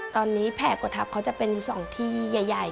ตอนนี้แผ่กดทับเขาจะเป็นอยู่๒ที่ใหญ่